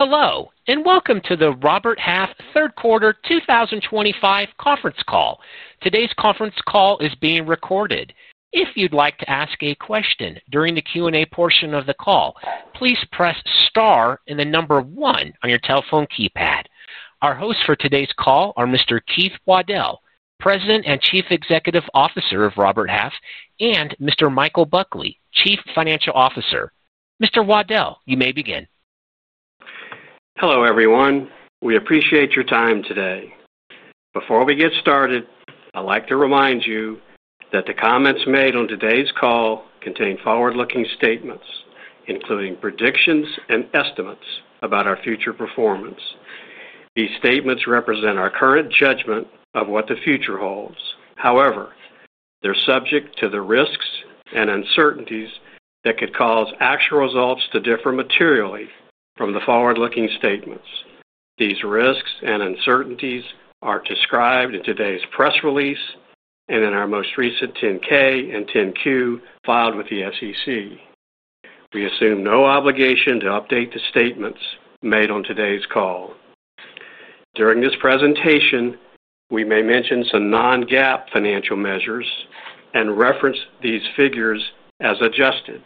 Hello, and welcome to the Robert Half third quarter 2025 conference call. Today's conference call is being recorded. If you'd like to ask a question during the Q&A portion of the call, please press star and the number one on your telephone keypad. Our hosts for today's call are Mr. M. Keith Waddell, President and Chief Executive Officer of Robert Half, and Mr. Michael C. Buckley, Chief Financial Officer. Mr. Waddell, you may begin. Hello, everyone. We appreciate your time today. Before we get started, I'd like to remind you that the comments made on today's call contain forward-looking statements, including predictions and estimates about our future performance. These statements represent our current judgment of what the future holds. However, they're subject to the risks and uncertainties that could cause actual results to differ materially from the forward-looking statements. These risks and uncertainties are described in today's press release and in our most recent 10-K and 10-Q filed with the SEC. We assume no obligation to update the statements made on today's call. During this presentation, we may mention some non-GAAP financial measures and reference these figures as adjusted.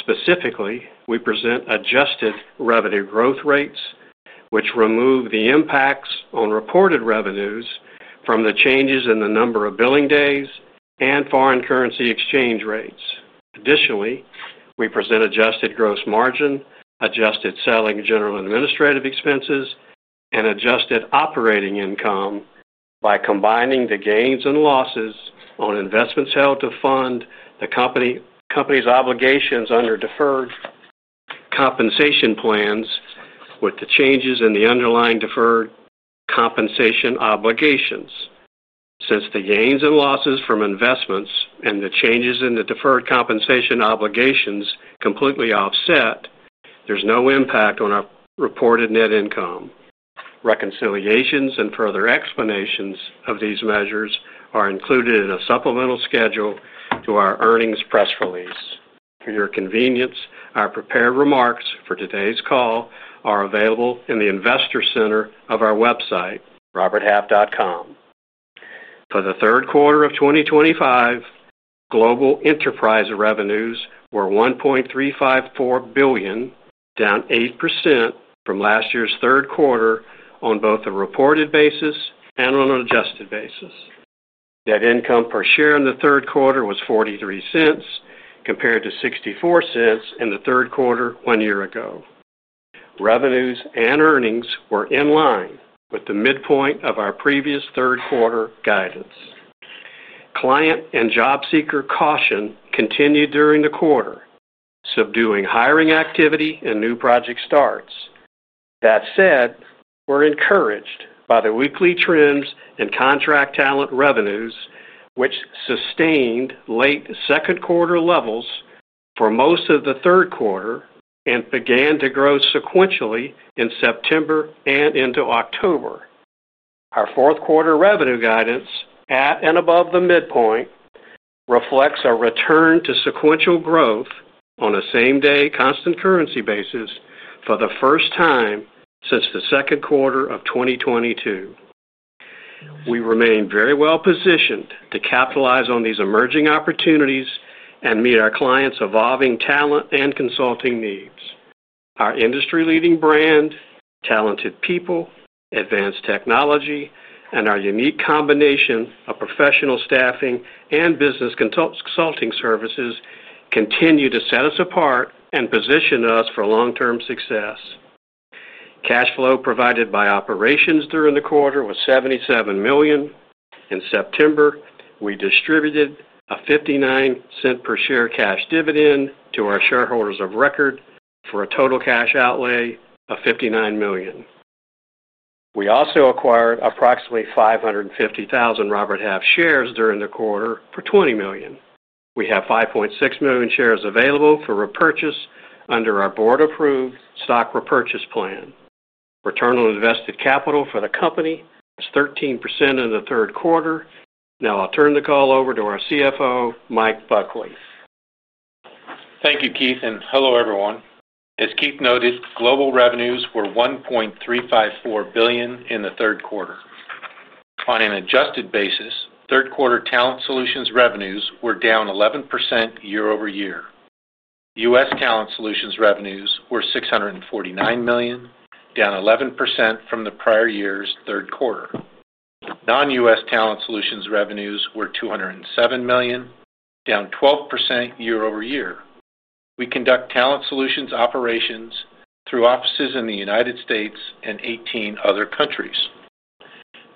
Specifically, we present adjusted revenue growth rates, which remove the impacts on reported revenues from the changes in the number of billing days and foreign currency exchange rates. Additionally, we present adjusted gross margin, adjusted selling, general and administrative expenses, and adjusted operating income by combining the gains and losses on investments held to fund the company's obligations under deferred compensation plans with the changes in the underlying deferred compensation obligations. Since the gains and losses from investments and the changes in the deferred compensation obligations completely offset, there's no impact on our reported net income. Reconciliations and further explanations of these measures are included in a supplemental schedule to our earnings press release. For your convenience, our prepared remarks for today's call are available in the Investor Center of our website, roberthalf.com. For the third quarter of 2025, global enterprise revenues were $1.354 billion, down 8% from last year's third quarter on both a reported basis and on an adjusted basis. Net income per share in the third quarter was $0.43 compared to $0.64 in the third quarter one year ago. Revenues and earnings were in line with the midpoint of our previous third quarter guidance. Client and job seeker caution continued during the quarter, subduing hiring activity and new project starts. That said, we're encouraged by the weekly trends in contract talent revenues, which sustained late second quarter levels for most of the third quarter and began to grow sequentially in September and into October. Our fourth quarter revenue guidance at and above the midpoint reflects our return to sequential growth on a same-day constant currency basis for the first time since the second quarter of 2022. We remain very well positioned to capitalize on these emerging opportunities and meet our clients' evolving talent and consulting needs. Our industry-leading brand, talented people, advanced technology, and our unique combination of professional staffing and business consulting services continue to set us apart and position us for long-term success. Cash flow provided by operations during the quarter was $77 million. In September, we distributed a $0.59 per share cash dividend to our shareholders of record for a total cash outlay of $59 million. We also acquired approximately 550,000 Robert Half shares during the quarter for $20 million. We have 5.6 million shares available for repurchase under our board-approved stock repurchase plan. Return on invested capital for the company is 13% in the third quarter. Now, I'll turn the call over to our CFO, Michael C. Buckley. Thank you, Keith, and hello, everyone. As Keith noted, global revenues were $1.354 billion in the third quarter. On an adjusted basis, third quarter Talent Solutions revenues were down 11% year-over-year. U.S. Talent Solutions revenues were $649 million, down 11% from the prior year's third quarter. Non-U.S. Talent Solutions revenues were $207 million, down 12% year-over-year. We conduct Talent Solutions operations through offices in the United States and 18 other countries.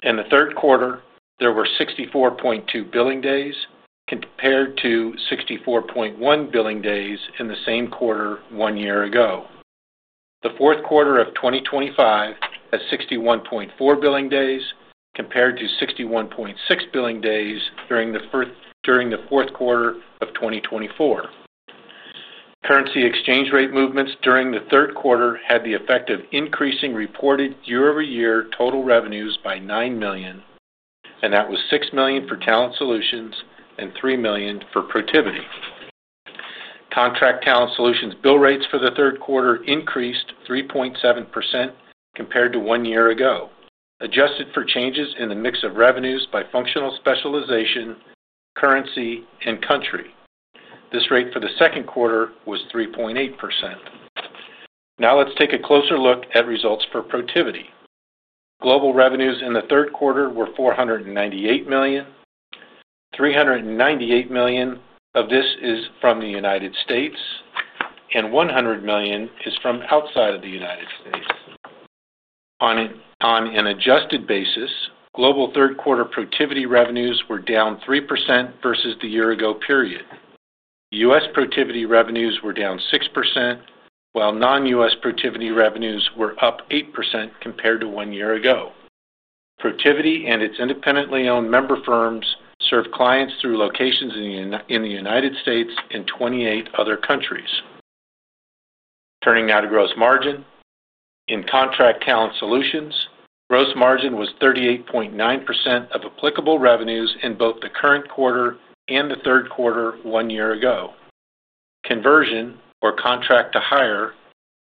In the third quarter, there were 64.2 billing days compared to 64.1 billing days in the same quarter one year ago. The fourth quarter of 2025 has 61.4 billing days compared to 61.6 billing days during the fourth quarter of 2024. Currency exchange rate movements during the third quarter had the effect of increasing reported year-over-year total revenues by $9 million, and that was $6 million for Talent Solutions and $3 million for Protiviti. Contract Talent Solutions bill rates for the third quarter increased 3.7% compared to one year ago, adjusted for changes in the mix of revenues by functional specialization, currency, and country. This rate for the second quarter was 3.8%. Now, let's take a closer look at results for Protiviti. Global revenues in the third quarter were $498 million. $398 million of this is from the United States, and $100 million is from outside of the United States. On an adjusted basis, global third quarter Protiviti revenues were down 3% versus the year-ago period. U.S. Protiviti revenues were down 6%, while non-U.S. Protiviti revenues were up 8% compared to one year ago. Protiviti and its independently owned member firms serve clients through locations in the United States and 28 other countries. Turning now to gross margin, in Contract Talent Solutions, gross margin was 38.9% of applicable revenues in both the current quarter and the third quarter one year ago. Conversion, or contract to hire,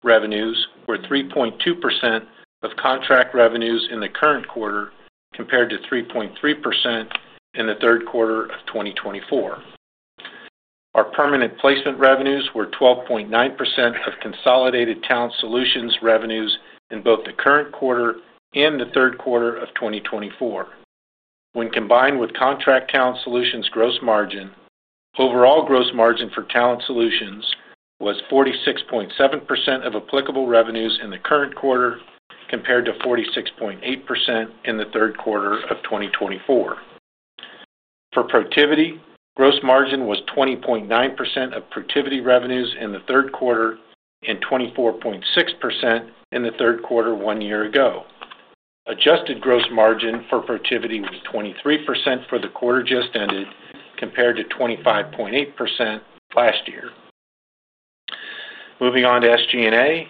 revenues were 3.2% of contract revenues in the current quarter compared to 3.3% in the third quarter of 2024. Our Permanent Placement revenues were 12.9% of consolidated Talent Solutions revenues in both the current quarter and the third quarter of 2024. When combined with Contract Talent Solutions gross margin, overall gross margin for Talent Solutions was 46.7% of applicable revenues in the current quarter compared to 46.8% in the third quarter of 2024. For Protiviti, gross margin was 20.9% of Protiviti revenues in the third quarter and 24.6% in the third quarter one year ago. Adjusted gross margin for Protiviti was 23% for the quarter just ended, compared to 25.8% last year. Moving on to SG&A,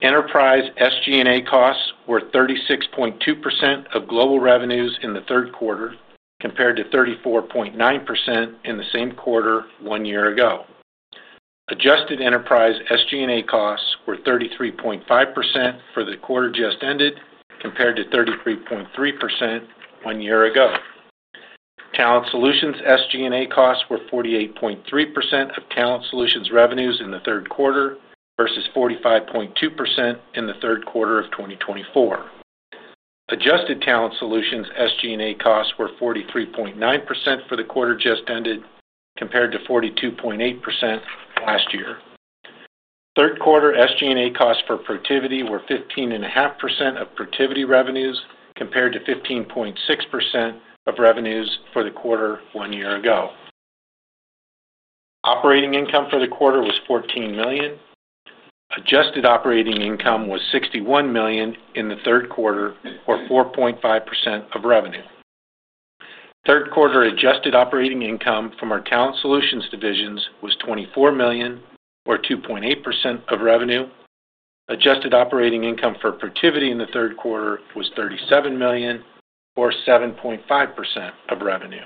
enterprise SG&A costs were 36.2% of global revenues in the third quarter, compared to 34.9% in the same quarter one year ago. Adjusted enterprise SG&A costs were 33.5% for the quarter just ended, compared to 33.3% one year ago. Talent Solutions SG&A costs were 48.3% of Talent Solutions revenues in the third quarter versus 45.2% in the third quarter of 2024. Adjusted Talent Solutions SG&A costs were 43.9% for the quarter just ended, compared to 42.8% last year. Third quarter SG&A costs for Protiviti were 15.5% of Protiviti revenues, compared to 15.6% of revenues for the quarter one year ago. Operating income for the quarter was $14 million. Adjusted operating income was $61 million in the third quarter, or 4.5% of revenue. Third quarter adjusted operating income from our Talent Solutions divisions was $24 million, or 2.8% of revenue. Adjusted operating income for Protiviti in the third quarter was $37 million, or 7.5% of revenue.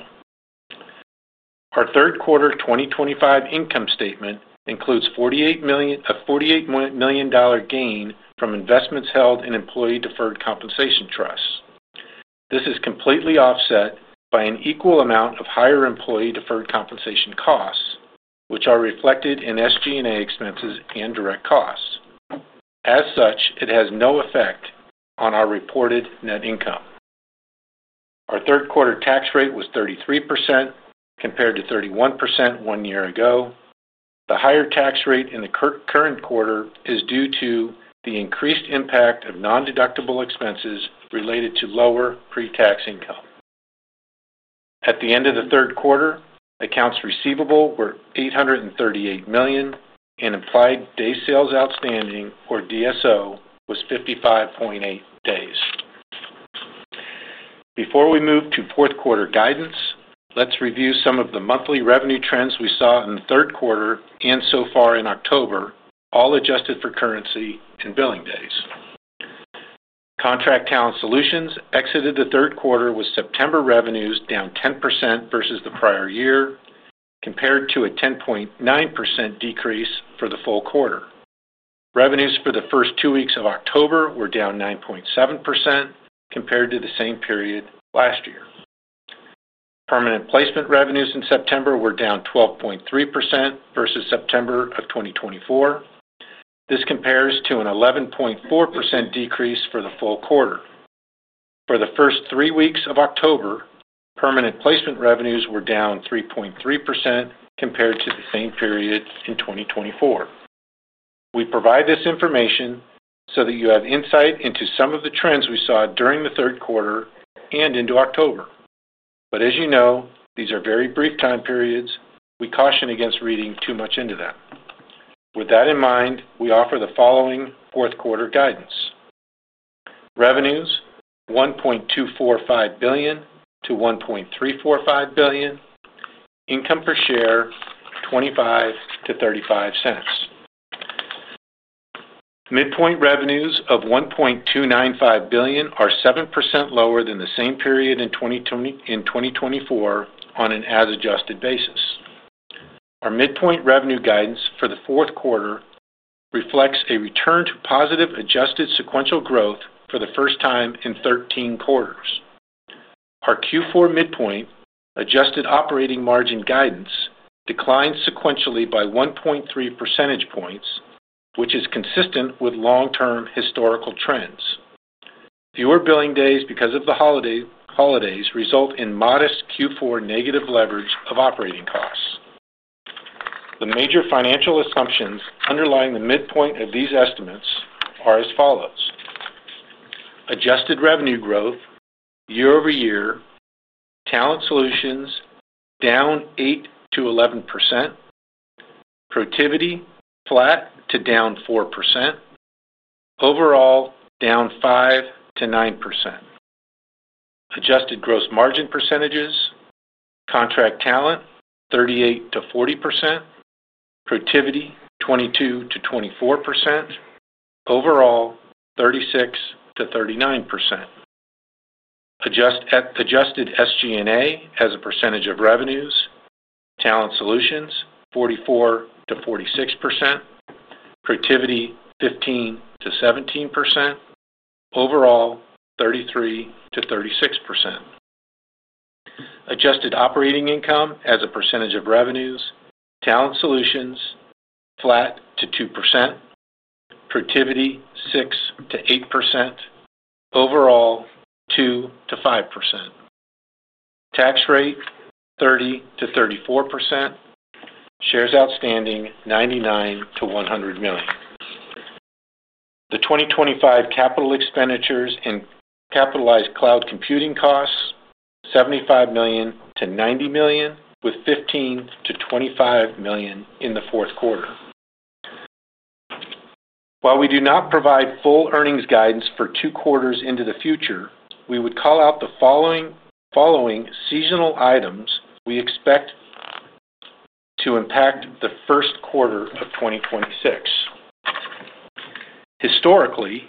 Our third quarter 2025 income statement includes a $48 million gain from investments held in employee deferred compensation trusts. This is completely offset by an equal amount of higher employee deferred compensation costs, which are reflected in SG&A expenses and direct costs. As such, it has no effect on our reported net income. Our third quarter tax rate was 33%, compared to 31% one year ago. The higher tax rate in the current quarter is due to the increased impact of non-deductible expenses related to lower pre-tax income. At the end of the third quarter, accounts receivable were $838 million, and implied day sales outstanding, or DSO, was 55.8 days. Before we move to fourth quarter guidance, let's review some of the monthly revenue trends we saw in the third quarter and so far in October, all adjusted for currency and billing days. Contract Talent Solutions exited the third quarter with September revenues down 10% versus the prior year, compared to a 10.9% decrease for the full quarter. Revenues for the first two weeks of October were down 9.7% compared to the same period last year. Permanent Placement revenues in September were down 12.3% versus September of 2024. This compares to an 11.4% decrease for the full quarter. For the first three weeks of October, Permanent Placement revenues were down 3.3% compared to the same period in 2024. We provide this information so that you have insight into some of the trends we saw during the third quarter and into October. As you know, these are very brief time periods. We caution against reading too much into them. With that in mind, we offer the following fourth quarter guidance: revenues $1.245 billion-$1.345 billion, income per share $0.25-$0.35. Midpoint revenues of $1.295 billion are 7% lower than the same period in 2024 on an as-adjusted basis. Our midpoint revenue guidance for the fourth quarter reflects a return to positive adjusted sequential growth for the first time in 13 quarters. Our Q4 midpoint adjusted operating margin guidance declined sequentially by 1.3 percentage points, which is consistent with long-term historical trends. Fewer billing days because of the holidays result in modest Q4 negative leverage of operating costs. The major financial assumptions underlying the midpoint of these estimates are as follows: adjusted revenue growth year-over-year, Talent Solutions down 8%-11%, Protiviti flat to down 4%, overall down 5%-9%. Adjusted gross margin percentages: Contract Talent 38%-40%, Protiviti 22%-24%, overall 36%-39%. Adjusted SG&A as a percentage of revenues: Talent Solutions 44%-46%, Protiviti 15%-17%, overall 33%-36%. Adjusted operating income as a percentage of revenues: Talent Solutions flat to 2%, Protiviti 6%-8%, overall 2%-5%. Tax rate 30%-34%, shares outstanding 99 million-100 million. The 2025 capital expenditures and capitalized cloud computing costs $75 million-$90 million, with $15 million-$25 million in the fourth quarter. While we do not provide full earnings guidance for two quarters into the future, we would call out the following seasonal items we expect to impact the first quarter of 2026. Historically,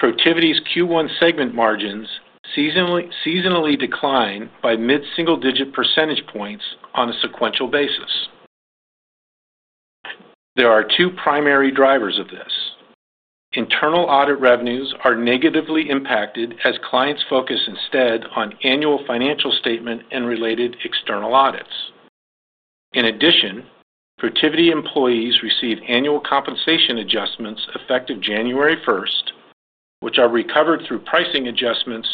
Protiviti's Q1 segment margins seasonally decline by mid-single-digit percentage points on a sequential basis. There are two primary drivers of this. Internal audit revenues are negatively impacted as clients focus instead on annual financial statement and related external audits. In addition, Protiviti employees receive annual compensation adjustments effective January 1, which are recovered through pricing adjustments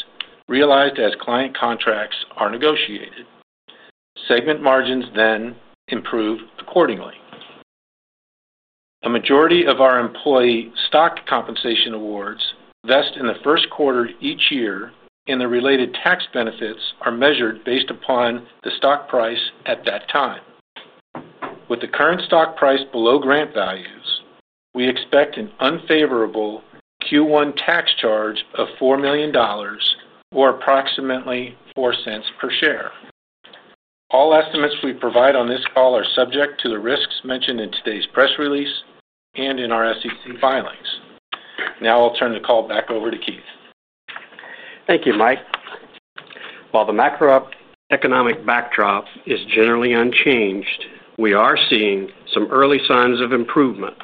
realized as client contracts are negotiated. Segment margins then improve accordingly. A majority of our employee stock compensation awards vest in the first quarter each year, and the related tax benefits are measured based upon the stock price at that time. With the current stock price below grant values, we expect an unfavorable Q1 tax charge of $4 million, or approximately $0.04 per share. All estimates we provide on this call are subject to the risks mentioned in today's press release and in our SEC filings. Now, I'll turn the call back over to Keith. Thank you, Mike. While the macroeconomic backdrop is generally unchanged, we are seeing some early signs of improvement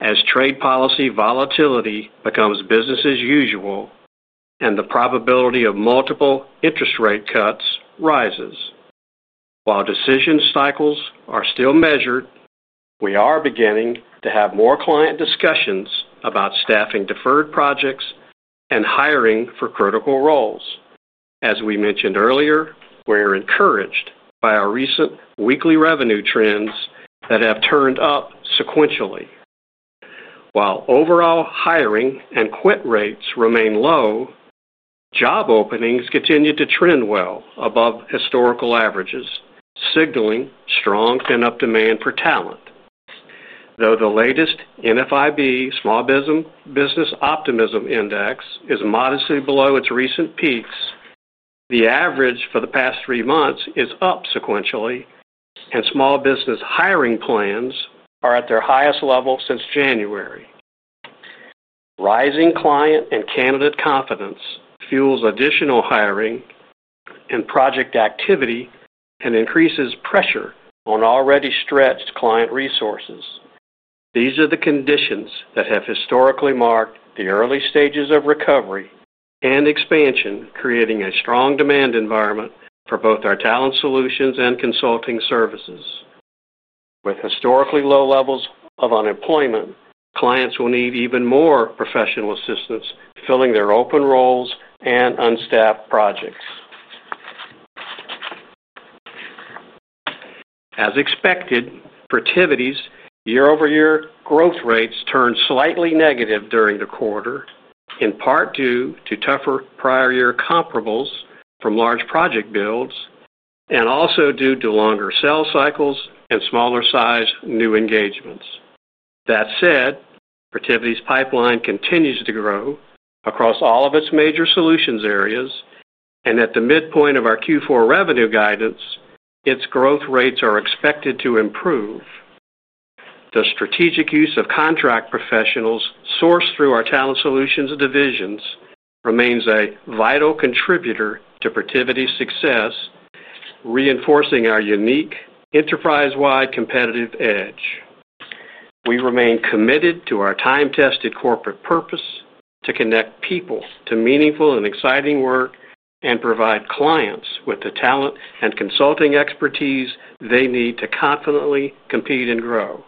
as trade policy volatility becomes business as usual and the probability of multiple interest rate cuts rises. While decision cycles are still measured, we are beginning to have more client discussions about staffing deferred projects and hiring for critical roles. As we mentioned earlier, we're encouraged by our recent weekly revenue trends that have turned up sequentially. While overall hiring and quit rates remain low, job openings continue to trend well above historical averages, signaling strong pent-up demand for talent. Though the latest NFIB Small Business Optimism Index is modestly below its recent peaks, the average for the past three months is up sequentially, and small business hiring plans are at their highest level since January. Rising client and candidate confidence fuels additional hiring and project activity and increases pressure on already stretched client resources. These are the conditions that have historically marked the early stages of recovery and expansion, creating a strong demand environment for both our Talent Solutions and Consulting Services. With historically low levels of unemployment, clients will need even more professional assistance filling their open roles and unstaffed projects. As expected, Protiviti's year-over-year growth rates turned slightly negative during the quarter, in part due to tougher prior year comparables from large project builds and also due to longer sales cycles and smaller-sized new engagements. That said, Protiviti's pipeline continues to grow across all of its major solutions areas, and at the midpoint of our Q4 revenue guidance, its growth rates are expected to improve. The strategic use of contract professionals sourced through our Talent Solutions divisions remains a vital contributor to Protiviti's success, reinforcing our unique enterprise-wide competitive edge. We remain committed to our time-tested corporate purpose to connect people to meaningful and exciting work and provide clients with the talent and consulting expertise they need to confidently compete and grow.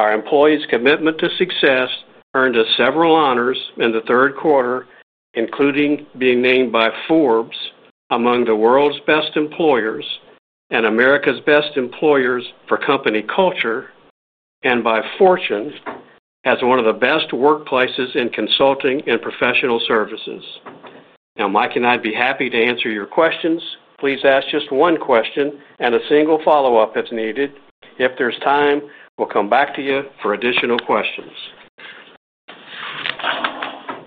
Our employees' commitment to success earned us several honors in the third quarter, including being named by Forbes among the world's best employers and America's best employers for company culture and by Fortune as one of the best workplaces in consulting and professional services. Now, Mike and I would be happy to answer your questions. Please ask just one question and a single follow-up if needed. If there's time, we'll come back to you for additional questions.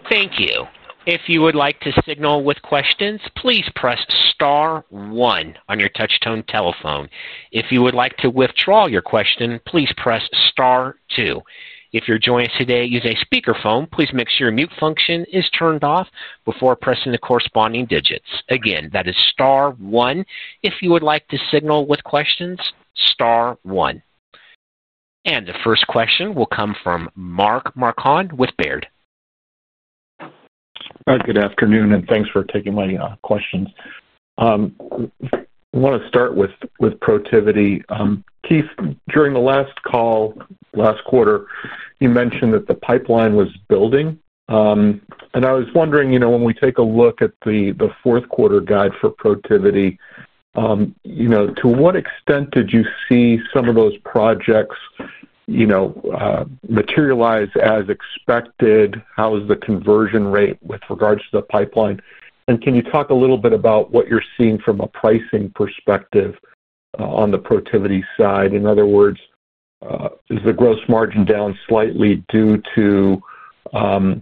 Thank you. If you would like to signal with questions, please press star one on your touch-tone telephone. If you would like to withdraw your question, please press star two. If you're joining us today using speakerphone, please make sure your mute function is turned off before pressing the corresponding digits. Again, that is star one. If you would like to signal with questions, star one. The first question will come from Mark Marcon with Baird. Good afternoon, and thanks for taking my questions. I want to start with Protiviti. Keith, during the last call last quarter, you mentioned that the pipeline was building. I was wondering, when we take a look at the fourth quarter guide for Protiviti, to what extent did you see some of those projects materialize as expected? How is the conversion rate with regards to the pipeline? Can you talk a little bit about what you're seeing from a pricing perspective on the Protiviti side? In other words, is the gross margin down slightly due to lower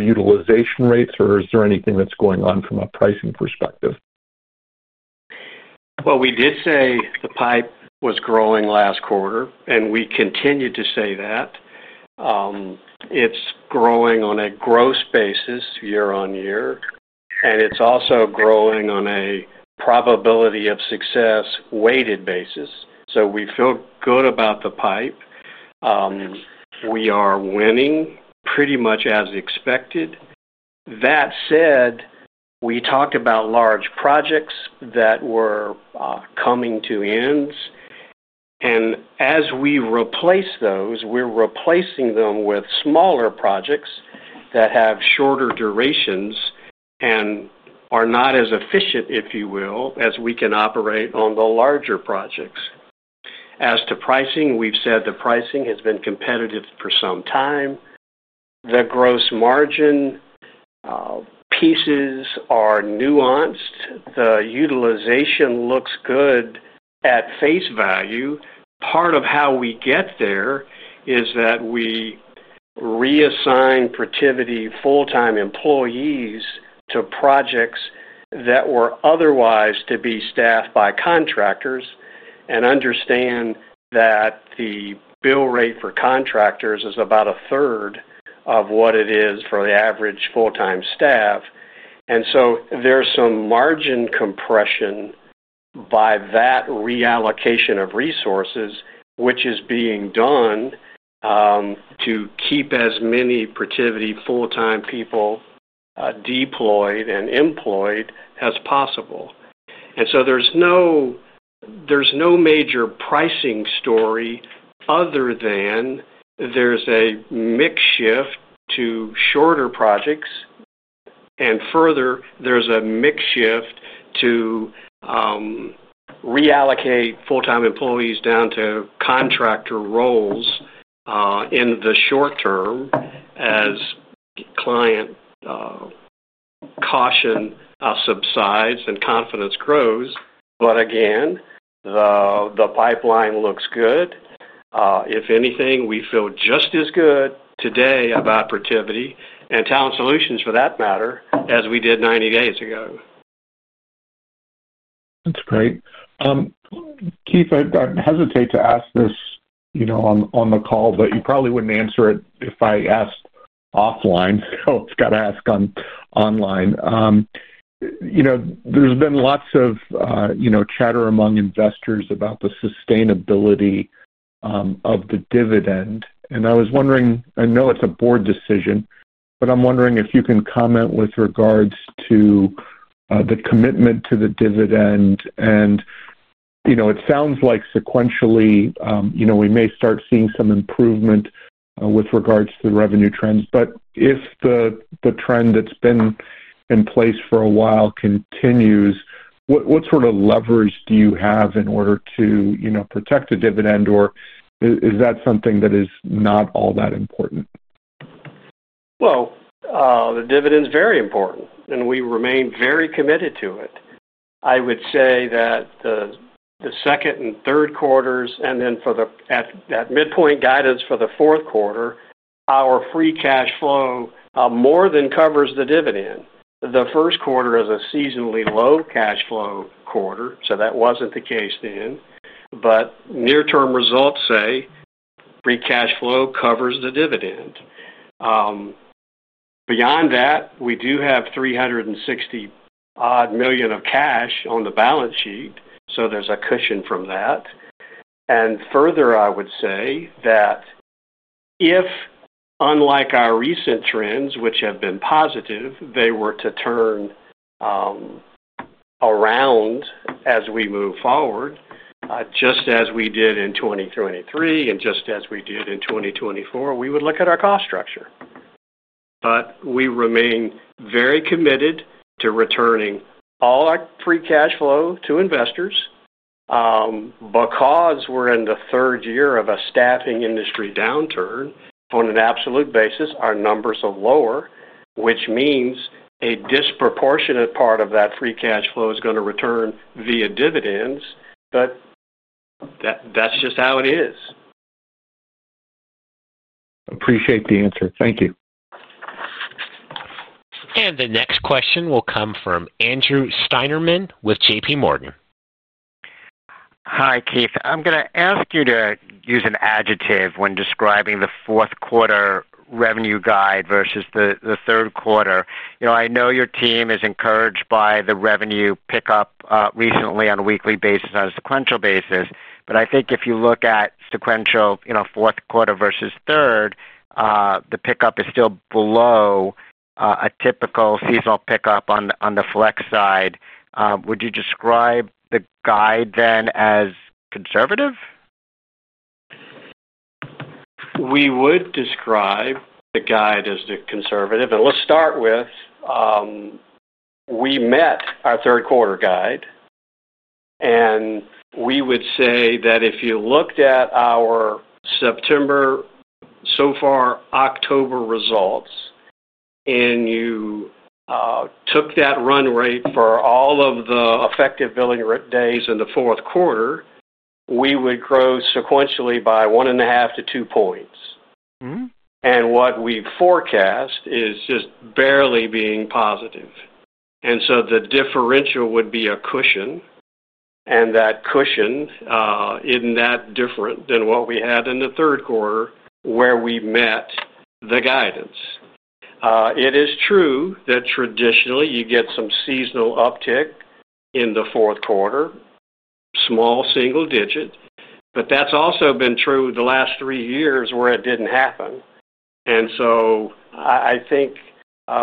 utilization rates, or is there anything that's going on from a pricing perspective? We did say the pipe was growing last quarter, and we continue to say that. It's growing on a gross basis year on year, and it's also growing on a probability of success weighted basis. We feel good about the pipe. We are winning pretty much as expected. That said, we talked about large projects that were coming to an end. As we replace those, we're replacing them with smaller projects that have shorter durations and are not as efficient, if you will, as we can operate on the larger projects. As to pricing, we've said the pricing has been competitive for some time. The gross margin pieces are nuanced. The utilization looks good at face value. Part of how we get there is that we reassign Protiviti full-time employees to projects that were otherwise to be staffed by contractors and understand that the bill rate for contractors is about a third of what it is for the average full-time staff. There's some margin compression by that reallocation of resources, which is being done to keep as many Protiviti full-time people deployed and employed as possible. There's no major pricing story other than there's a mix shift to shorter projects. Further, there's a mix shift to reallocate full-time employees down to contractor roles in the short term as client caution subsides and confidence grows. Again, the pipeline looks good. If anything, we feel just as good today about Protiviti and Talent Solutions for that matter as we did 90 days ago. That's great. Keith, I hesitate to ask this on the call, but you probably wouldn't answer it if I asked offline. It's got to be asked online. There's been lots of chatter among investors about the sustainability of the dividend. I was wondering, I know it's a board decision, but I'm wondering if you can comment with regards to the commitment to the dividend. It sounds like sequentially we may start seeing some improvement with regards to the revenue trends. If the trend that's been in place for a while continues, what sort of leverage do you have in order to protect the dividend, or is that something that is not all that important? The dividend is very important, and we remain very committed to it. I would say that the second and third quarters, and then for the midpoint guidance for the fourth quarter, our free cash flow more than covers the dividend. The first quarter is a seasonally low cash flow quarter, so that wasn't the case then. Near-term results say free cash flow covers the dividend. Beyond that, we do have $360 million of cash on the balance sheet, so there's a cushion from that. Further, I would say that if, unlike our recent trends, which have been positive, they were to turn around as we move forward, just as we did in 2023 and just as we did in 2024, we would look at our cost structure. We remain very committed to returning all our free cash flow to investors. Because we're in the third year of a staffing industry downturn, on an absolute basis, our numbers are lower, which means a disproportionate part of that free cash flow is going to return via dividends. That's just how it is. Appreciate the answer. Thank you. The next question will come from Andrew Steinerman with JPMorgan. Hi, Keith. I'm going to ask you to use an adjective when describing the fourth quarter revenue guide versus the third quarter. I know your team is encouraged by the revenue pickup, recently on a weekly basis, on a sequential basis. I think if you look at sequential, fourth quarter versus third, the pickup is still below a typical seasonal pickup on the flex side. Would you describe the guide then as conservative? We would describe the guide as conservative. Let's start with, we met our third quarter guide. We would say that if you looked at our September, so far October results, and you took that run rate for all of the effective billing days in the fourth quarter, we would grow sequentially by 1.5-2 points. What we've forecast is just barely being positive. The differential would be a cushion. That cushion isn't that different than what we had in the third quarter where we met the guidance. It is true that traditionally you get some seasonal uptick in the fourth quarter, small single digits, but that's also been true the last three years where it didn't happen. I think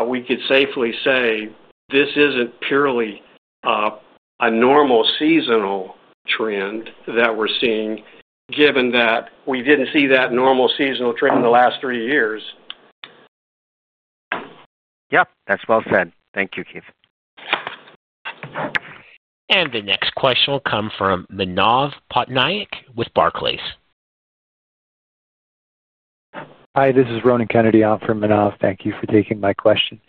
we could safely say this isn't purely a normal seasonal trend that we're seeing, given that we didn't see that normal seasonal trend in the last three years. Yeah, that's well said. Thank you, Keith. The next question will come from Manav Patnaik with Barclays. Hi, this is Ronan Kennedy on from Manav. Thank you for taking my question.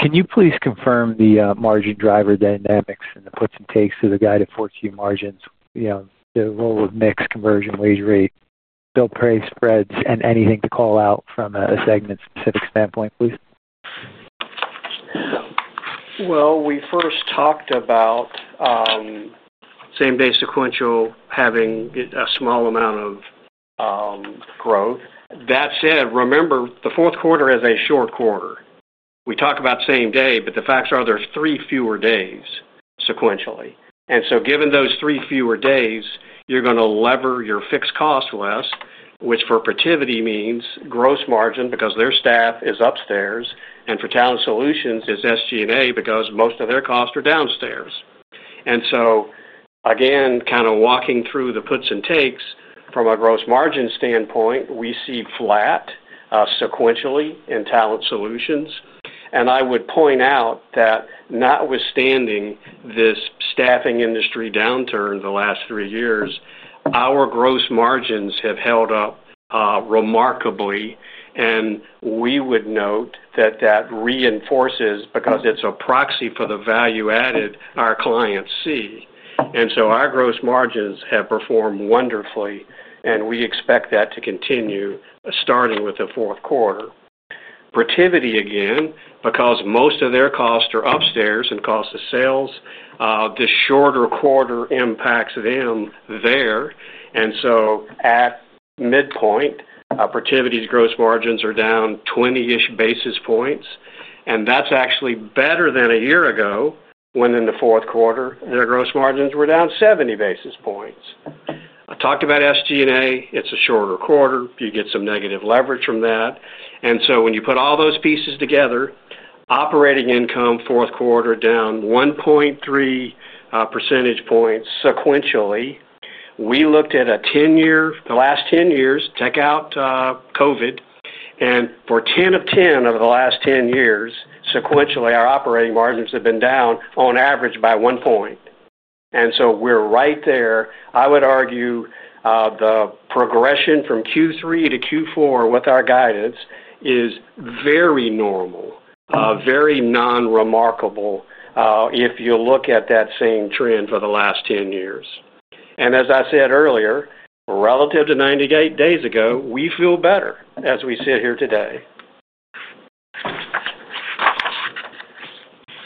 Can you please confirm the margin driver dynamics and the puts and takes of the guide at fourth-year margins? You know, the role of mix conversion, wage rate, bill pay spreads, and anything to call out from a segment-specific standpoint, please? We first talked about same-day sequential having a small amount of growth. That said, remember, the fourth quarter is a short quarter. We talk about same day, but the facts are there's three fewer days sequentially. Given those three fewer days, you're going to lever your fixed cost less, which for Protiviti means gross margin because their staff is upstairs, and for Talent Solutions, it's SG&A because most of their costs are downstairs. Again, kind of walking through the puts and takes from a gross margin standpoint, we see flat sequentially in Talent Solutions. I would point out that notwithstanding this staffing industry downturn the last three years, our gross margins have held up remarkably. We would note that that reinforces because it's a proxy for the value added our clients see. Our gross margins have performed wonderfully, and we expect that to continue starting with the fourth quarter. Protiviti, again, because most of their costs are upstairs and cost of sales, this shorter quarter impacts them there. At midpoint, Protiviti's gross margins are down 20-ish basis points. That's actually better than a year ago when in the fourth quarter their gross margins were down 70 basis points. I talked about SG&A. It's a shorter quarter. You get some negative leverage from that. When you put all those pieces together, operating income fourth quarter down 1.3 percentage points sequentially. We looked at a 10-year, the last 10 years, take out COVID. For 10 of 10 over the last 10 years, sequentially, our operating margins have been down on average by one point. We're right there. I would argue the progression from Q3 to Q4 with our guidance is very normal, very non-remarkable, if you look at that same trend for the last 10 years. As I said earlier, relative to 90 days ago, we feel better as we sit here today.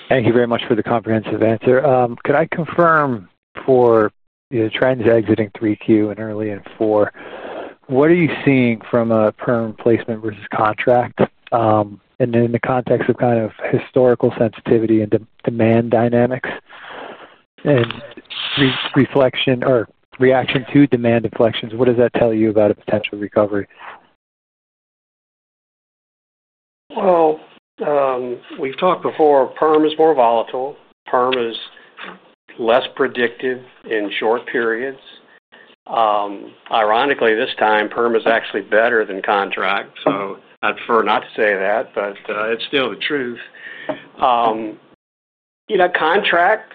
Thank you very much for the comprehensive answer. Could I confirm for the trends exiting 3Q and early in 4, what are you seeing from a firm placement versus contract? In the context of kind of historical sensitivity and demand dynamics and reflection or reaction to demand inflections, what does that tell you about a potential recovery? We've talked before, perm is more volatile. Perm is less predictive in short periods. Ironically, this time, perm is actually better than contract. I'd prefer not to say that, but it's still the truth. You know, contract,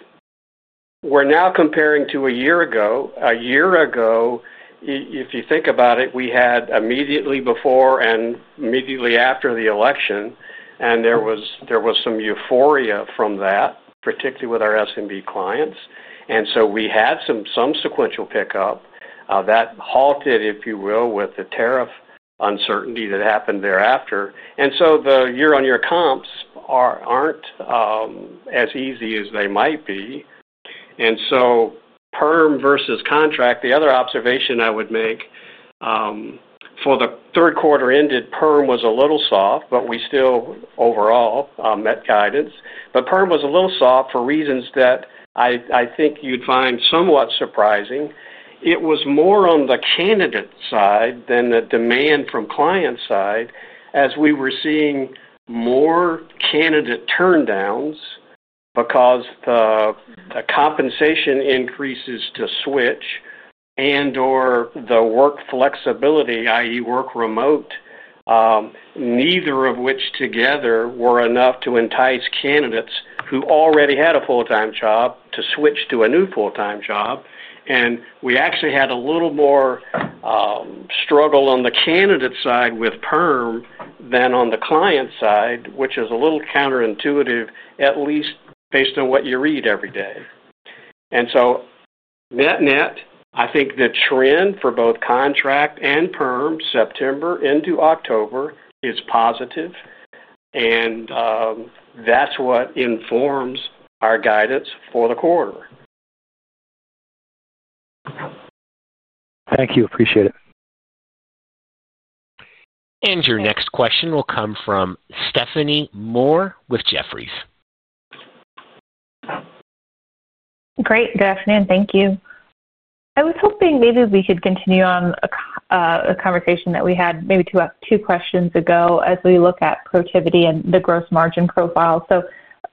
we're now comparing to a year ago. A year ago, if you think about it, we had immediately before and immediately after the election. There was some euphoria from that, particularly with our SMB clients. We had some subsequential pickup that halted, if you will, with the tariff uncertainty that happened thereafter. The year-on-year comps aren't as easy as they might be. Perm versus contract, the other observation I would make, for the third quarter ended, perm was a little soft, but we still overall met guidance. Perm was a little soft for reasons that I think you'd find somewhat surprising. It was more on the candidate side than the demand from client side as we were seeing more candidate turndowns because the compensation increases to switch and/or the work flexibility, i.e., work remote, neither of which together were enough to entice candidates who already had a full-time job to switch to a new full-time job. We actually had a little more struggle on the candidate side with perm than on the client side, which is a little counterintuitive, at least based on what you read every day. Net-net, I think the trend for both contract and perm September into October is positive. That's what informs our guidance for the quarter. Thank you. Appreciate it. Your next question will come from Stephanie Moore with Jefferies. Great. Good afternoon. Thank you. I was hoping maybe we could continue on a conversation that we had maybe two questions ago as we look at Protiviti and the gross margin profile.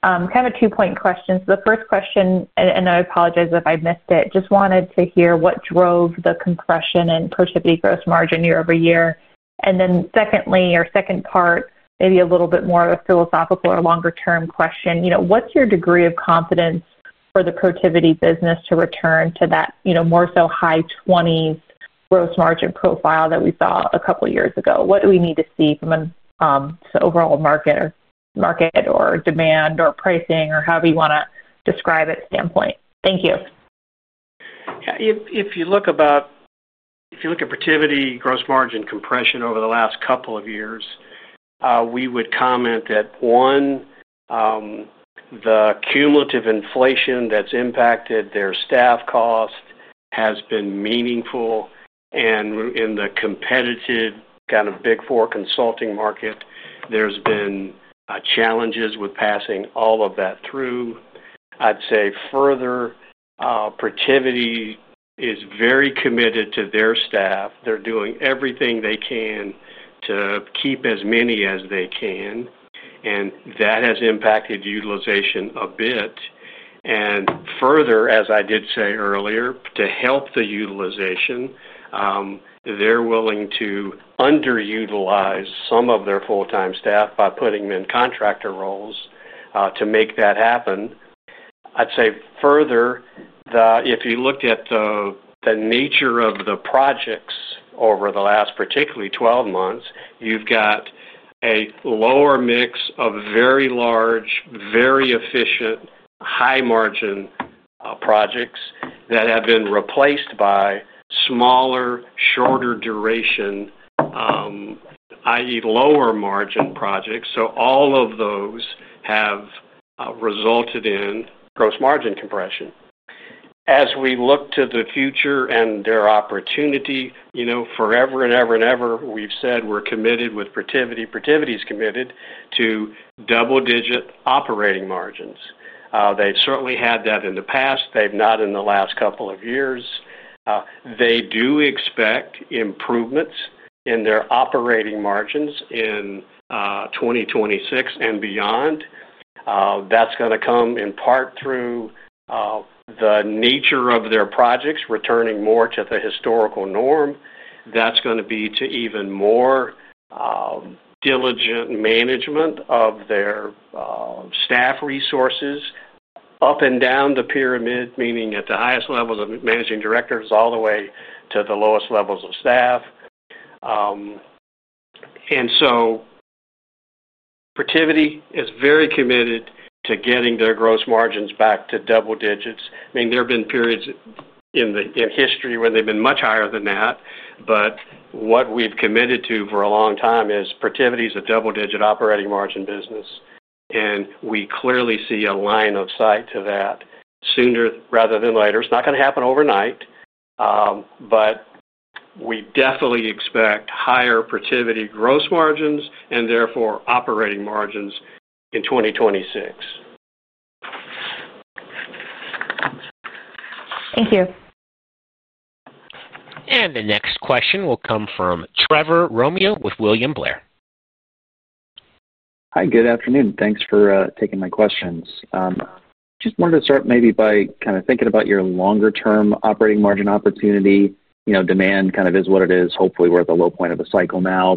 Kind of a two-point question. The first question, and I apologize if I missed it, just wanted to hear what drove the compression in Protiviti gross margin year-over-year. Secondly, or second part, maybe a little bit more of a philosophical or longer-term question. You know, what's your degree of confidence for the Protiviti business to return to that, you know, more so high 20s gross margin profile that we saw a couple of years ago? What do we need to see from an overall market or demand or pricing or however you want to describe it standpoint? Thank you. Yeah. If you look at Protiviti gross margin compression over the last couple of years, we would comment that, one, the cumulative inflation that's impacted their staff cost has been meaningful. In the competitive kind of Big Four consulting market, there's been challenges with passing all of that through. I'd say further, Protiviti is very committed to their staff. They're doing everything they can to keep as many as they can, and that has impacted utilization a bit. Further, as I did say earlier, to help the utilization, they're willing to underutilize some of their full-time staff by putting them in contractor roles to make that happen. If you looked at the nature of the projects over the last particularly 12 months, you've got a lower mix of very large, very efficient, high margin projects that have been replaced by smaller, shorter duration, i.e., lower margin projects. All of those have resulted in gross margin compression. As we look to the future and their opportunity, you know, forever and ever and ever, we've said we're committed with Protiviti. Protiviti is committed to double-digit operating margins. They've certainly had that in the past. They've not in the last couple of years. They do expect improvements in their operating margins in 2026 and beyond. That's going to come in part through the nature of their projects returning more to the historical norm. That's going to be to even more diligent management of their staff resources, up and down the pyramid, meaning at the highest levels of Managing Directors all the way to the lowest levels of staff. Protiviti is very committed to getting their gross margins back to double digits. There have been periods in history when they've been much higher than that. What we've committed to for a long time is Protiviti is a double-digit operating margin business. We clearly see a line of sight to that sooner rather than later. It's not going to happen overnight, but we definitely expect higher Protiviti gross margins and therefore operating margins in 2026. Thank you. The next question will come from Trevor Romeo with William Blair. Hi, good afternoon. Thanks for taking my questions. I just wanted to start maybe by kind of thinking about your longer-term operating margin opportunity. You know, demand kind of is what it is. Hopefully, we're at the low point of a cycle now.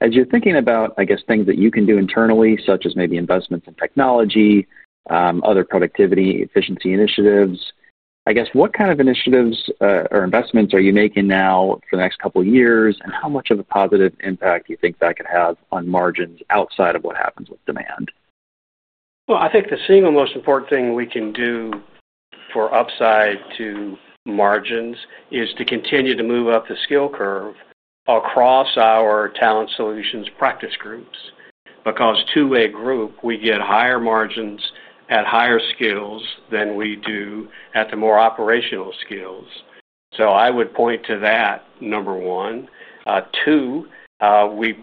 As you're thinking about, I guess, things that you can do internally, such as maybe investments in technology, other productivity efficiency initiatives, what kind of initiatives or investments are you making now for the next couple of years? How much of a positive impact do you think that could have on margins outside of what happens with demand? I think the single most important thing we can do for upside to margins is to continue to move up the skill curve across our Talent Solutions practice groups. Because two-way group, we get higher margins at higher skills than we do at the more operational skills. I would point to that, number one. Two,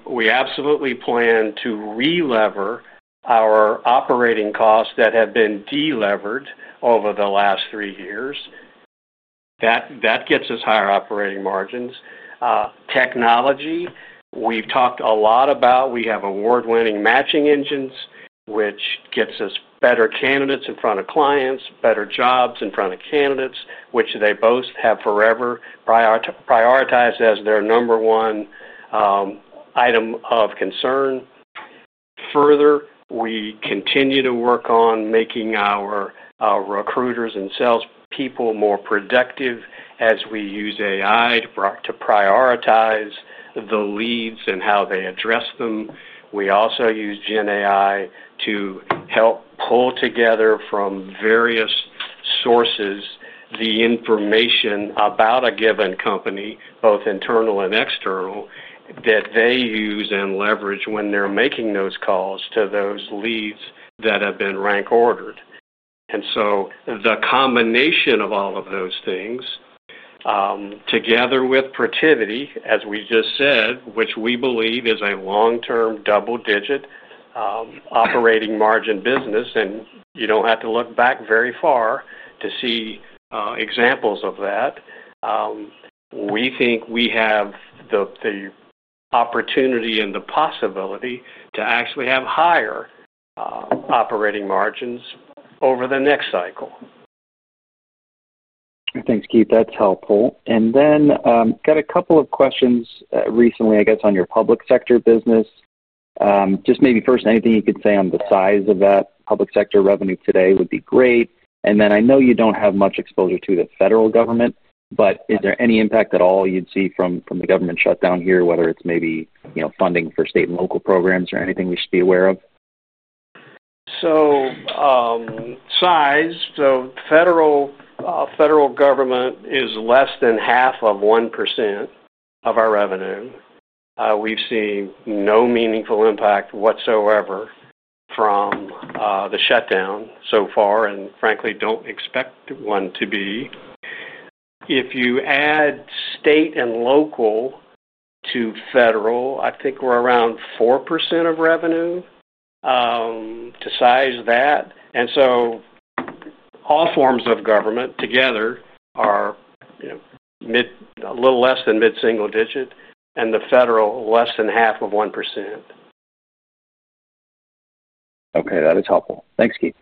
we absolutely plan to relever our operating costs that have been delevered over the last three years. That gets us higher operating margins. Technology, we've talked a lot about. We have award-winning matching engines, which gets us better candidates in front of clients, better jobs in front of candidates, which they both have forever prioritized as their number one item of concern. Further, we continue to work on making our recruiters and salespeople more productive as we use AI to prioritize the leads and how they address them. We also use generative AI to help pull together from various sources the information about a given company, both internal and external, that they use and leverage when they're making those calls to those leads that have been rank ordered. The combination of all of those things, together with Protiviti, as we just said, which we believe is a long-term double-digit operating margin business, and you don't have to look back very far to see examples of that, we think we have the opportunity and the possibility to actually have higher operating margins over the next cycle. Thanks, Keith. That's helpful. I've got a couple of questions on your public sector business. Maybe first, anything you could say on the size of that public sector revenue today would be great. I know you don't have much exposure to the federal government, but is there any impact at all you'd see from the government shutdown here, whether it's funding for state and local programs or anything we should be aware of? The federal government is less than half of 1% of our revenue. We've seen no meaningful impact whatsoever from the shutdown so far, and frankly, don't expect one to be. If you add state and local to federal, I think we're around 4% of revenue to size that. All forms of government together are a little less than mid-single digit and the federal less than half of 1%. Okay, that is helpful. Thanks, Keith.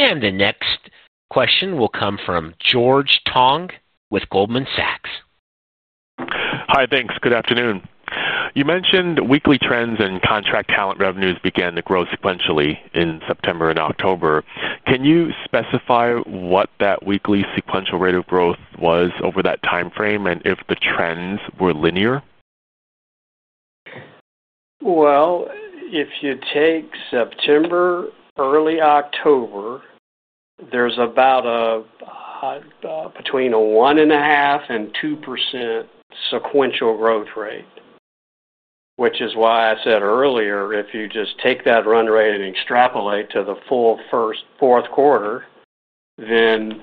The next question will come from George Tong with Goldman Sachs. Hi, thanks. Good afternoon. You mentioned weekly trends in contract talent revenues began to grow sequentially in September and October. Can you specify what that weekly sequential rate of growth was over that timeframe, and if the trends were linear? If you take September, early October, there's about a, between a 1.5% and 2% sequential growth rate, which is why I said earlier, if you just take that run rate and extrapolate to the full first fourth quarter, then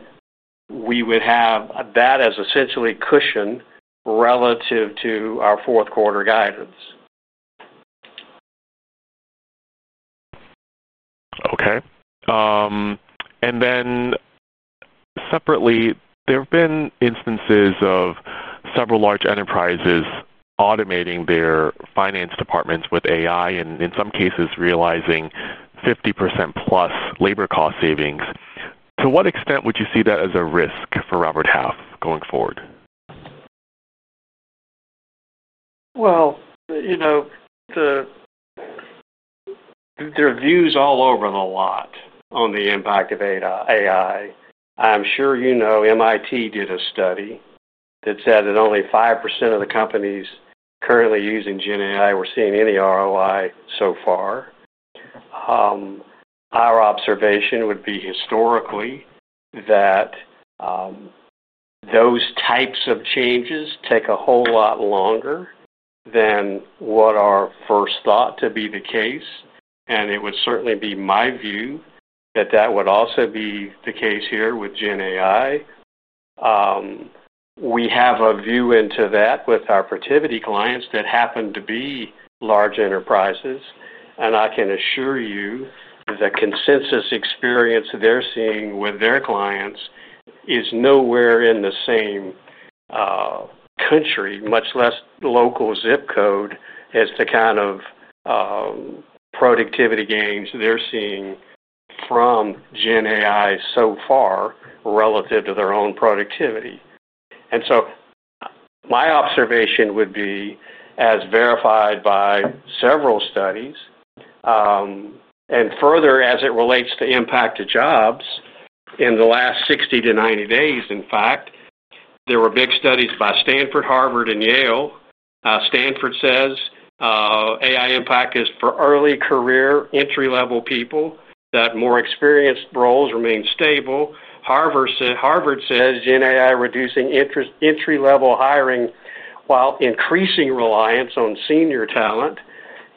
we would have that as essentially cushion relative to our fourth quarter guidance. Okay. Then separately, there have been instances of several large enterprises automating their finance departments with AI and in some cases realizing 50%+ labor cost savings. To what extent would you see that as a risk for Robert Half going forward? There are views all over and a lot on the impact of AI. I'm sure you know MIT did a study that said that only 5% of the companies currently using generative AI were seeing any ROI so far. Our observation would be historically that those types of changes take a whole lot longer than what are first thought to be the case. It would certainly be my view that that would also be the case here with generative AI. We have a view into that with our Protiviti clients that happen to be large enterprises. I can assure you that the consensus experience they're seeing with their clients is nowhere in the same country, much less local zip code, as to kind of productivity gains they're seeing from generative AI so far relative to their own productivity. My observation would be, as verified by several studies, and further as it relates to impact to jobs in the last 60-90 days, in fact, there were big studies by Stanford, Harvard, and Yale. Stanford says AI impact is for early career entry-level people, that more experienced roles remain stable. Harvard says generative AI is reducing entry-level hiring while increasing reliance on senior talent.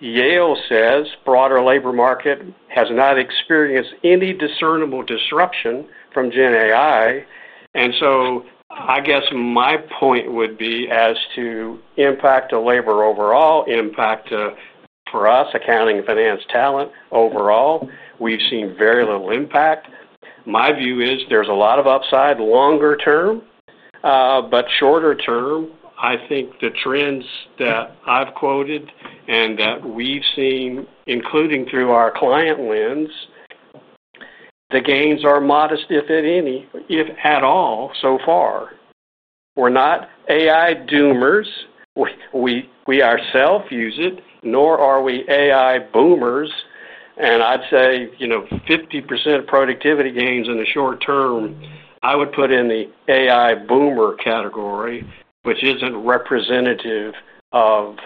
Yale says the broader labor market has not experienced any discernible disruption from generative AI. I guess my point would be as to impact to labor overall, impact to, for us, accounting and finance talent overall, we've seen very little impact. My view is there's a lot of upside longer term, but shorter term, I think the trends that I've quoted and that we've seen, including through our client lens, the gains are modest, if at any, if at all so far. We're not AI doomers. We ourselves use it, nor are we AI boomers. I'd say 50% productivity gains in the short term, I would put in the AI boomer category, which isn't representative of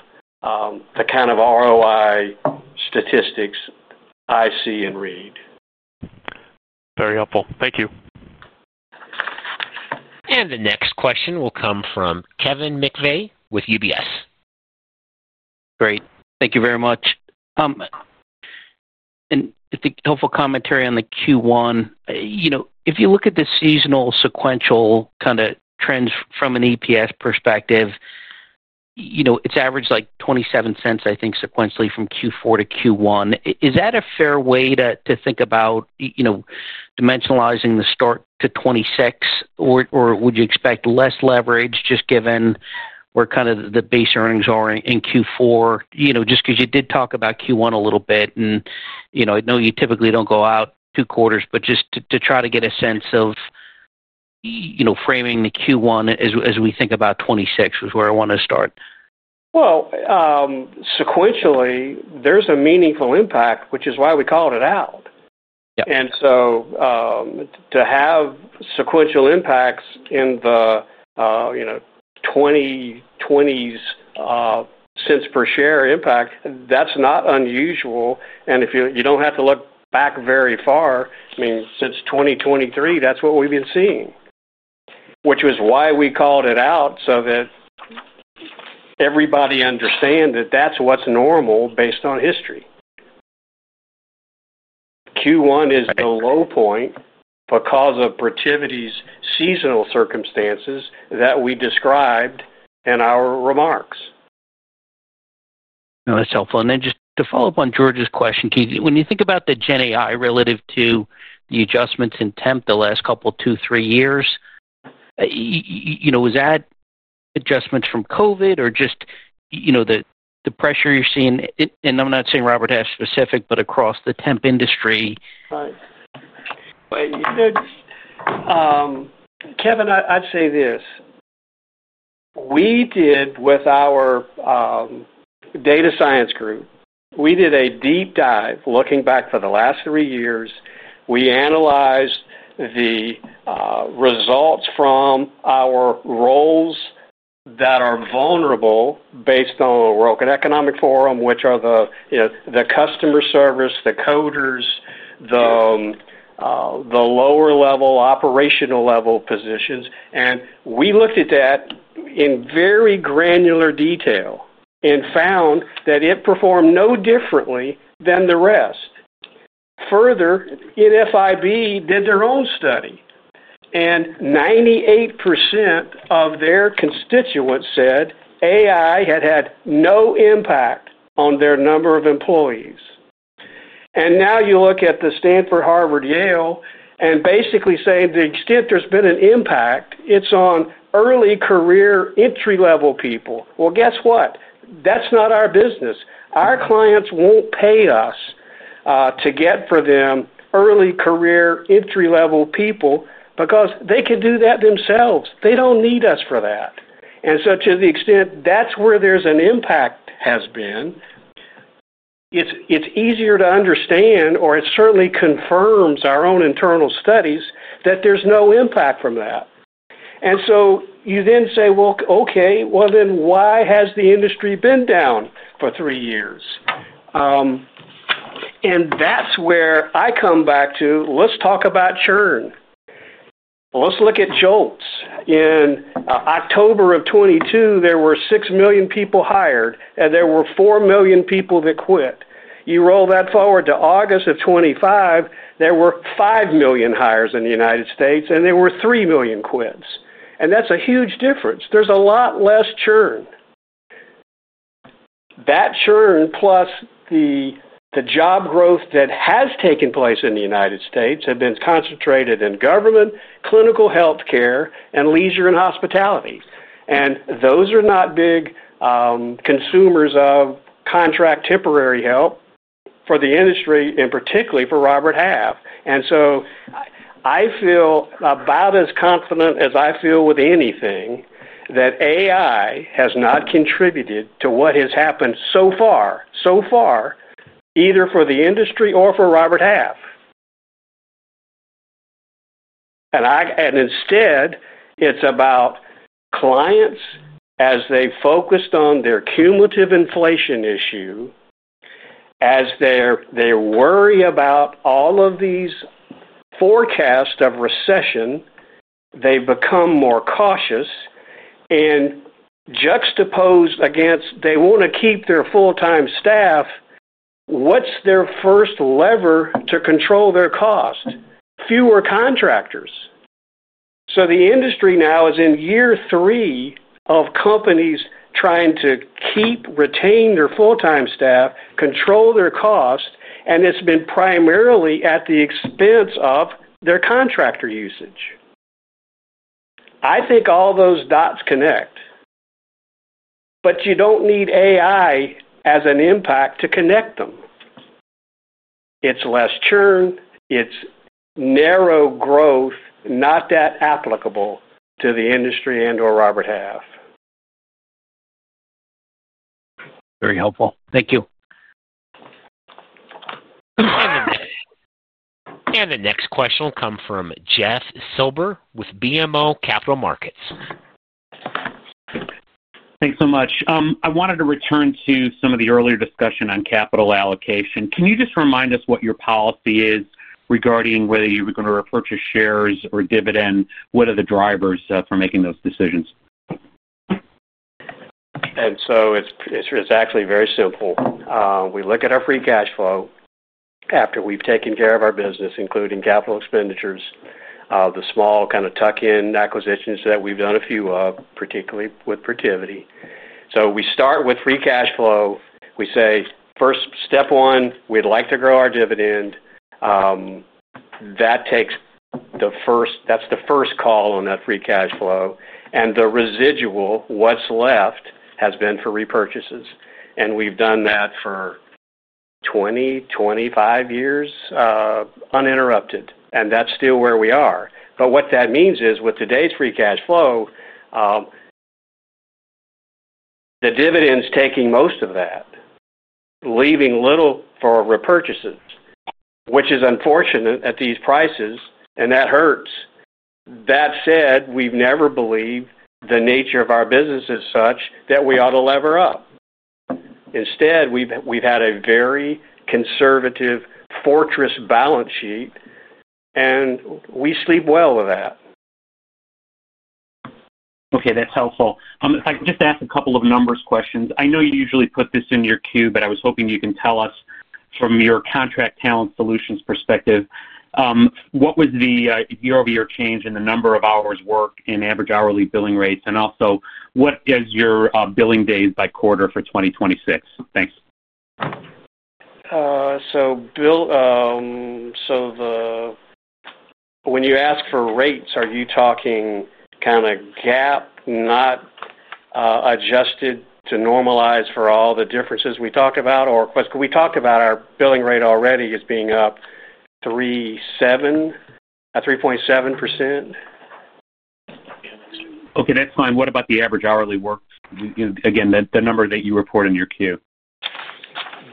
the kind of ROI statistics I see and read. Very helpful. Thank you. The next question will come from Kevin McVeigh with UBS. Great. Thank you very much, and the helpful commentary on the Q1. If you look at the seasonal sequential kind of trends from an EPS perspective, it's averaged like $0.27, I think, sequentially from Q4 to Q1. Is that a fair way to think about, you know, dimensionalizing the start to 2026? Or would you expect less leverage just given where kind of the base earnings are in Q4? Just because you did talk about Q1 a little bit. I know you typically don't go out two quarters, but just to try to get a sense of framing the Q1 as we think about 2026 is where I want to start. Sequentially, there's a meaningful impact, which is why we called it out. To have sequential impacts in the $0.20s per share impact, that's not unusual. If you don't have to look back very far, I mean, since 2023, that's what we've been seeing, which was why we called it out so that everybody understands that that's what's normal based on history. Q1 is the low point because of Protiviti's seasonal circumstances that we described in our remarks. That's helpful. Just to follow up on George's question, Keith, when you think about the generative AI relative to the adjustments in temp the last couple two, three years, was that adjustments from COVID or just the pressure you're seeing? I'm not saying Robert Half specific, but across the temp industry. Right. Kevin, I'd say this. We did with our data science group, we did a deep dive looking back for the last three years. We analyzed the results from our roles that are vulnerable based on the World Economic Forum, which are the customer service, the coders, the lower-level operational-level positions. We looked at that in very granular detail and found that it performed no differently than the rest. Further, NFIB did their own study. 98% of their constituents said AI had had no impact on their number of employees. Now you look at Stanford, Harvard, Yale, and basically say to the extent there's been an impact, it's on early career entry-level people. Guess what? That's not our business. Our clients won't pay us to get for them early career entry-level people because they can do that themselves. They don't need us for that. To the extent that's where there's an impact, it's easier to understand, or it certainly confirms our own internal studies that there's no impact from that. You then say, okay, why has the industry been down for three years? That's where I come back to, let's talk about churn. Let's look at JOLTs. In October 2022, there were 6 million people hired, and there were 4 million people that quit. You roll that forward to August 2025, there were 5 million hires in the U.S., and there were 3 million quits. That's a huge difference. There's a lot less churn. That churn plus the job growth that has taken place in the U.S. have been concentrated in government, clinical healthcare, and leisure and hospitality. Those are not big consumers of contract temporary help for the industry, and particularly for Robert Half. I feel about as confident as I feel with anything that AI has not contributed to what has happened so far, either for the industry or for Robert Half. Instead, it's about clients as they focused on their cumulative inflation issue, as they worry about all of these forecasts of recession, they've become more cautious and juxtaposed against they want to keep their full-time staff. What's their first lever to control their cost? Fewer contractors. The industry now is in year three of companies trying to keep retain their full-time staff, control their cost, and it's been primarily at the expense of their contractor usage. I think all those dots connect. You don't need AI as an impact to connect them. It's less churn. It's narrow growth, not that applicable to the industry and/or Robert Half. Very helpful. Thank you. The next question will come from Jeff Silber with BMO Capital Markets. Thanks so much. I wanted to return to some of the earlier discussion on capital allocation. Can you just remind us what your policy is regarding whether you're going to repurchase shares or dividend? What are the drivers for making those decisions? It's actually very simple. We look at our free cash flow after we've taken care of our business, including capital expenditures, the small kind of tuck-in acquisitions that we've done a few of, particularly with Protiviti. We start with free cash flow. We say, first, step one, we'd like to grow our dividend. That takes the first, that's the first call on that free cash flow. The residual, what's left, has been for repurchases. We've done that for 20, 25 years, uninterrupted. That's still where we are. What that means is with today's free cash flow, the dividend's taking most of that, leaving little for repurchases, which is unfortunate at these prices, and that hurts. We've never believed the nature of our business is such that we ought to lever up. Instead, we've had a very conservative fortress balance sheet, and we sleep well with that. Okay, that's helpful. If I could just ask a couple of numbers questions. I know you usually put this in your Q, but I was hoping you can tell us from your Contract Talent Solutions perspective, what was the year-over-year change in the number of hours worked and average hourly billing rates? Also, what is your billing days by quarter for 2026? Thanks. When you ask for rates, are you talking kind of GAAP, not adjusted to normalize for all the differences we talk about? Could we talk about our billing rate already as being up 3.7%? Okay, that's fine. What about the average hourly work? Again, the number that you report in your Q.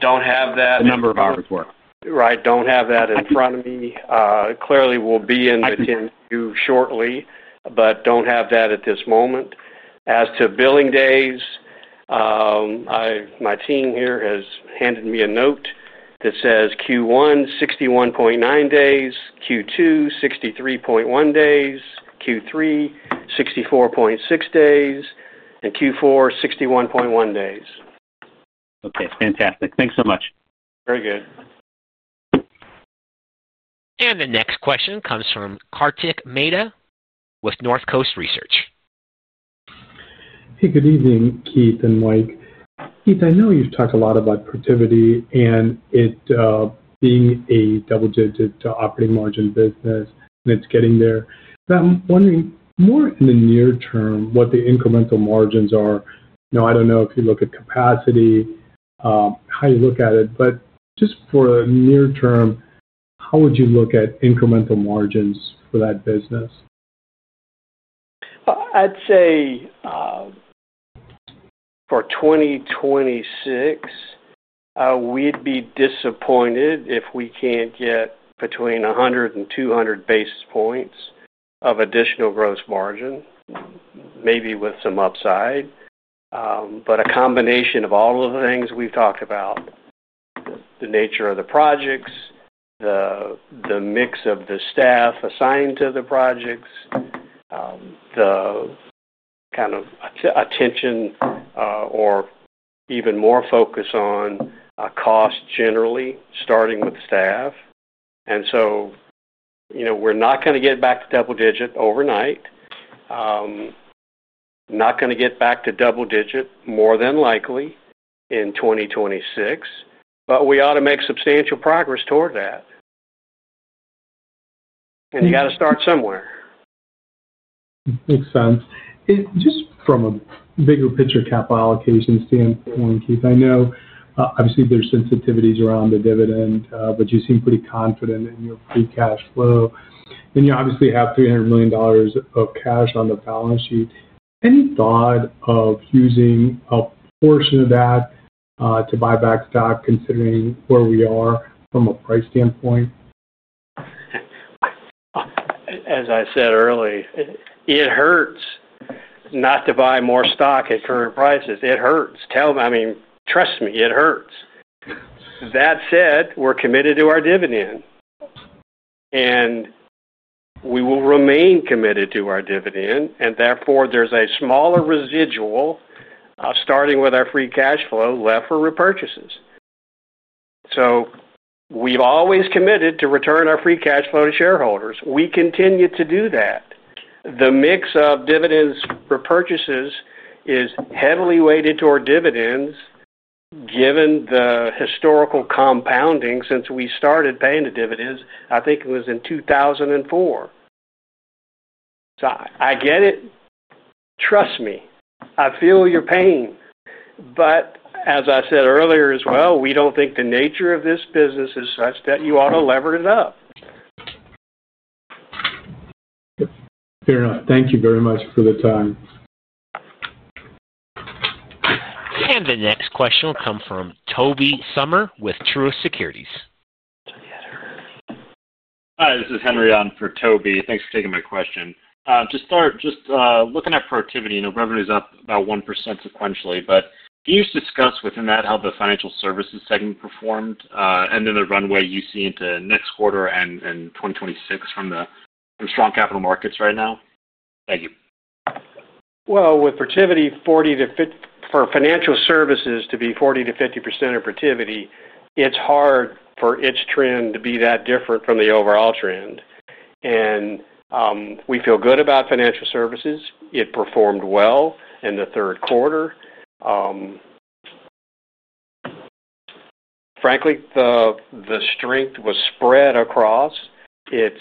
Don't have that. The number of hours worked. Right. Don't have that in front of me. Clearly, we'll be in the Q shortly, but don't have that at this moment. As to billing days, my team here has handed me a note that says Q1 61.9 days, Q2 63.1 days, Q3 64.6 days, and Q4 61.1 days. Okay, fantastic. Thanks so much. Very good. The next question comes from Kartik Mehta with Northcoast Research. Hey, good evening, Keith and Mike. Keith, I know you've talked a lot about Protiviti and it being a double-digit operating margin business and it's getting there. I'm wondering more in the near term what the incremental margins are. I don't know if you look at capacity, how you look at it, but just for the near term, how would you look at incremental margins for that business? For 2026, we'd be disappointed if we can't get between 100 and 200 basis points of additional gross margin, maybe with some upside. A combination of all of the things we've talked about, the nature of the projects, the mix of the staff assigned to the projects, the kind of attention or even more focus on cost generally, starting with staff, will contribute. We're not going to get back to double-digit overnight, not going to get back to double-digit more than likely in 2026, but we ought to make substantial progress toward that. You got to start somewhere. Makes sense. Just from a bigger picture capital allocation standpoint, Keith, I know obviously there's sensitivities around the dividend, but you seem pretty confident in your free cash flow. You obviously have $300 million of cash on the balance sheet. Any thought of using a portion of that to buy back stock considering where we are from a price standpoint? As I said earlier, it hurts not to buy more stock at current prices. It hurts. Trust me, it hurts. That said, we're committed to our dividend. We will remain committed to our dividend. Therefore, there's a smaller residual, starting with our free cash flow left for repurchases. We've always committed to return our free cash flow to shareholders. We continue to do that. The mix of dividends and repurchases is heavily weighted toward dividends, given the historical compounding since we started paying the dividends. I think it was in 2004. I get it. Trust me. I feel your pain. As I said earlier as well, we don't think the nature of this business is such that you ought to lever it up. Fair enough. Thank you very much for the time. The next question will come from Toby Sommer with Truist Securities. Hi, this is Henry on for Toby. Thanks for taking my question. To start, just looking at Protiviti, you know, revenue is up about 1% sequentially. Can you just discuss within that how the financial services segment performed and then the runway you see into next quarter and 2026 from the strong capital markets right now? Thank you. With Protiviti, 40%-50% for financial services to be 40%-50% of Protiviti, it's hard for its trend to be that different from the overall trend. We feel good about financial services. It performed well in the third quarter. Frankly, the strength was spread across its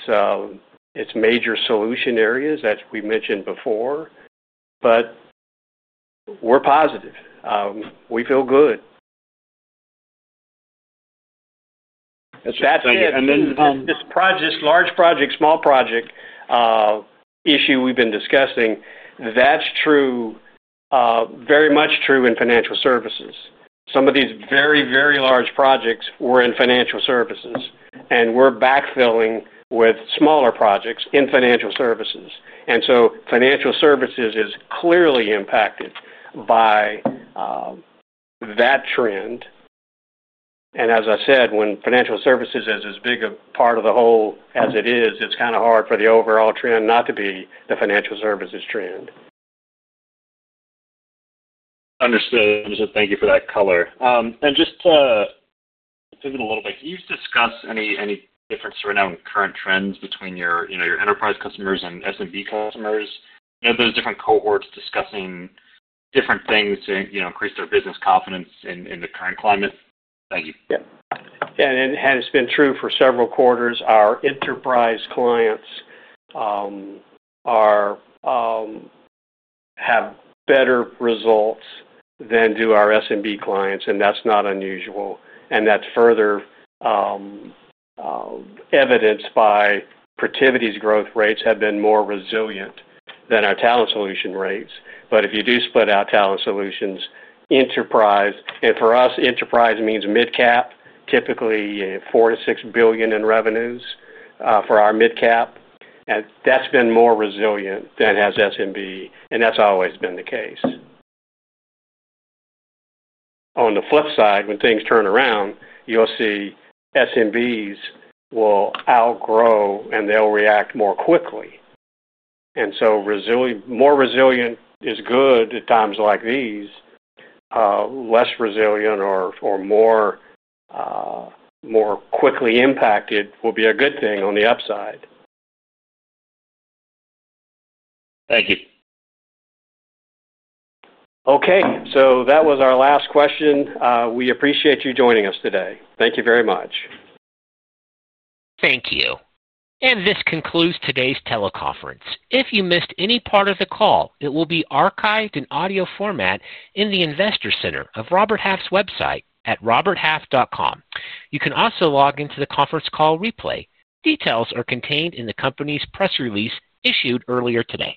major solution areas that we mentioned before. We're positive. We feel good. That's great. Then. This large project, small project issue we've been discussing is true, very much true in financial services. Some of these very, very large projects were in financial services. We're backfilling with smaller projects in financial services. Financial services is clearly impacted by that trend. As I said, when financial services is as big a part of the whole as it is, it's kind of hard for the overall trend not to be the financial services trend. Understood. Thank you for that color. Just to pivot a little bit, can you just discuss any difference around current trends between your enterprise customers and SMB customers? You know, those different cohorts discussing different things to increase their business confidence in the current climate. Thank you. Yeah. It has been true for several quarters. Our enterprise clients have better results than do our SMB clients, and that's not unusual. That's further evidenced by Protiviti's growth rates have been more resilient than our Talent Solutions rates. If you do split out Talent Solutions, enterprise, and for us, enterprise means mid-cap, typically $4 billion-$6 billion in revenues for our mid-cap. That's been more resilient than has SMB, and that's always been the case. On the flip side, when things turn around, you'll see SMBs will outgrow and they'll react more quickly. More resilient is good at times like these. Less resilient or more quickly impacted will be a good thing on the upside. Thank you. Okay, that was our last question. We appreciate you joining us today. Thank you very much. Thank you. This concludes today's teleconference. If you missed any part of the call, it will be archived in audio format in the Investor Center of Robert Half's website at roberthalf.com. You can also log into the conference call replay. Details are contained in the company's press release issued earlier today.